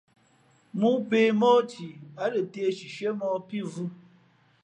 ̀mōō pě mōh thi, ǎ lα tēh shishiēmōh pí vhʉ̄.